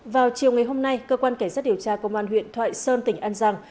vào chiều ngày hôm nay cơ quan cảnh sát điều tra công an huyện thoại sơn tỉnh an giang